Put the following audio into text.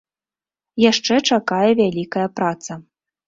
Яшчэ чакае вялікая праца.